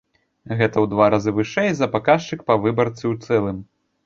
Гэта ў два разы вышэй за паказчык па выбарцы ў цэлым.